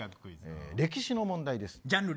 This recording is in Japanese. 歴史の問題です。